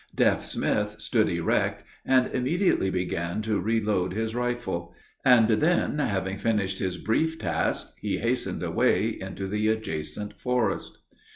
Deaf Smith stood erect, and immediately began to reload his rifle; and then, having finished his brief task, he hastened away into the adjacent forest.